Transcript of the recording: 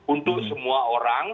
untuk semua orang